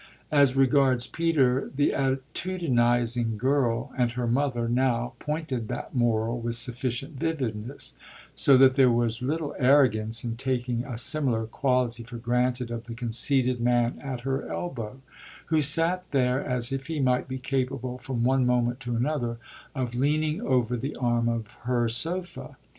As regards Peter the attitudinising girl and her mother now pointed that moral with sufficient vividness; so that there was little arrogance in taking a similar quality for granted of the conceited man at her elbow, who sat there as if he might be capable from one moment to another of leaning over the arm of her sofa.